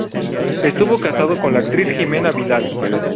Estuvo casado con la actriz Ximena Vidal.